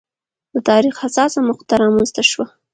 د تاریخ حساسه مقطعه رامنځته شوه.